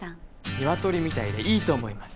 ニワトリみたいでいいと思います。